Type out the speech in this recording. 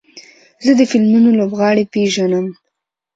زه د فلمونو لوبغاړي پیژنم.